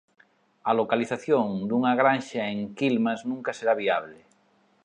"A localización dunha granxa en Quilmas nunca será viable".